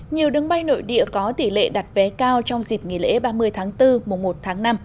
nhiều đứng bay nội địa có tỷ lệ đặt vé cao trong dịp nghỉ lễ ba mươi tháng bốn mùa một tháng năm